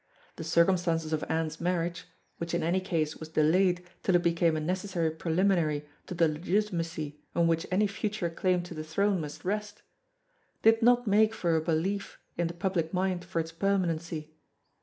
The circumstances of Anne's marriage which in any case was delayed till it became a necessary preliminary to the legitimacy on which any future claim to the throne must rest did not make for a belief in the public mind for its permanency.